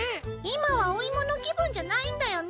今はお芋の気分じゃないんだよね。